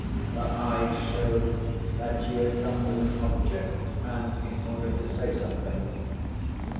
Her eyes showed that she had come with an object, and in order to say something.